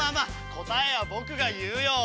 こたえはぼくがいうよ。